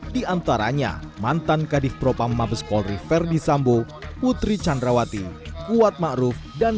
diantaranya mantan kadif propam mabeskolri ferdi sambo putri chandrawati kuat ma'ruf dan